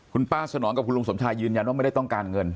คุณป้าสนองกับคุณลุงสมชายยืนยันว่าไม่ได้ต้องการเงิน